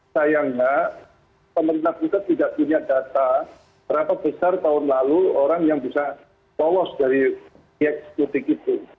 sayangnya pemerintah pusat tidak punya data berapa besar tahun lalu orang yang bisa lolos dari eksekutif itu